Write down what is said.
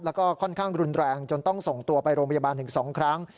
แล้วก็ค่อนข้างรุนแรงจนต้องส่งตัวไปโรงพยาบาลถึง๒ครั้ง